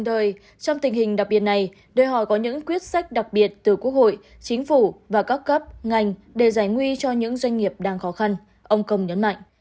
trong tình hình đặc biệt này đòi hỏi có những quyết sách đặc biệt từ quốc hội chính phủ và các cấp ngành để giải nguy cho những doanh nghiệp đang khó khăn ông công nhấn mạnh